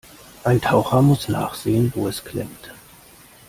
Ein Taucher muss nachsehen, wo es klemmt.